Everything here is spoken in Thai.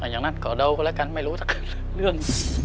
อย่างนั้นขอเดากันไม่รู้เรื่องนี้